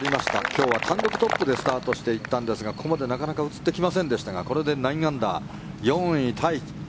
今日は単独トップでスタートしていったんですがここまでなかなか映ってきませんでしたがこれで９アンダー、４位タイ。